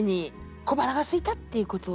小腹がすいたっていうこと？